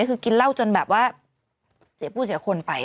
คือกินเหล้าจนแบบว่าเสียผู้เสียคนไป